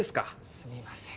すみません。